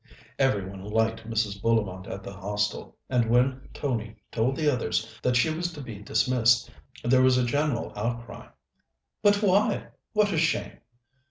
Every one liked Mrs. Bullivant at the Hostel, and when Tony told the others that she was to be dismissed there was a general outcry. "But why? What a shame!"